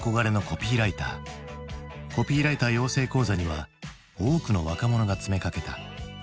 コピーライター養成講座には多くの若者が詰めかけた。